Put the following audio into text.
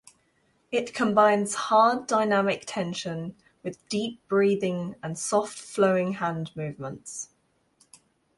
It combines hard dynamic tension with deep breathing and soft flowing hand movements.